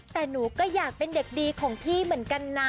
แต่หนูก็อยากเป็นเด็กดีของพี่เหมือนกันนะ